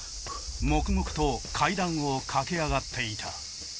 黙々と階段を駆け上がっていた。